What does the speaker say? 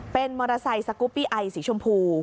เป็นมอเตอร์ไซค์สกุปปี้ไอสีชมพู